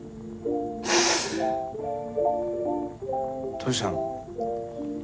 どうしたの？